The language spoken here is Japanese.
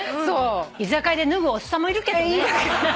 居酒屋で脱ぐおっさんもいるけどね。